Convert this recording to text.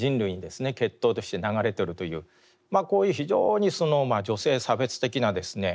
血統として流れているというこういう非常に女性差別的なですね